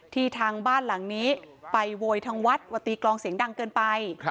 ทางบ้านหลังนี้ไปโวยทางวัดว่าตีกลองเสียงดังเกินไป